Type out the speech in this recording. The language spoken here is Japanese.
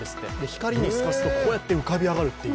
光に透かすと、こうやって浮かび上がると。